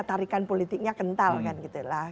tarikan politiknya kental kan gitu lah